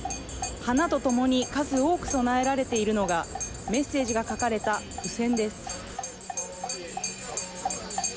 花とともに数多く供えられているのがメッセージが書かれた付箋です。